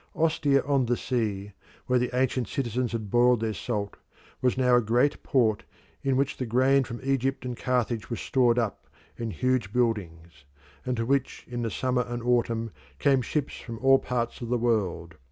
Ostia on the Sea, where the ancient citizens had boiled their salt was now a great port in which the grain from Egypt and Carthage was stored up in huge buildings, and to which in the summer and autumn came ships from all parts of the world.